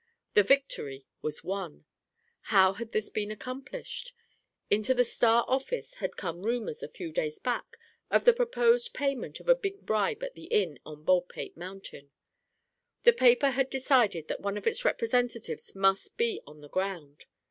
The victory was won. How had this been accomplished? Into the Star office had come rumors, a few days back, of the proposed payment of a big bribe at the inn on Baldpate Mountain. The paper had decided that one of its representatives must be on the ground.